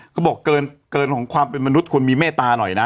เขาบอกเกินของความเป็นมนุษย์มีเมตตาหน่อยนะ